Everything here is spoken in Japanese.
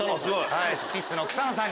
はいスピッツの草野さん。